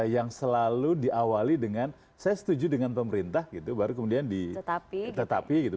yang selalu diawali dengan saya setuju dengan pemerintah gitu baru kemudian ditetapi gitu